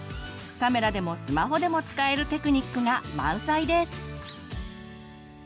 カメラでもスマホでも使えるテクニックが満載です！